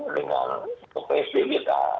dengan psb kita